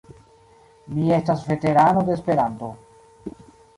Mi estas veterano de Esperanto.